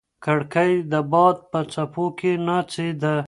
کړکۍ د باد په څپو کې ناڅېده.